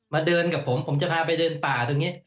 เดินกับผมผมจะพาไปเดินป่าตรงนี้